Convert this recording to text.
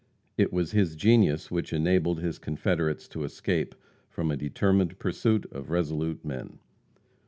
It was his genius which enabled his confederates to escape from a determined pursuit of resolute men.